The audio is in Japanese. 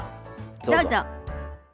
どうぞ。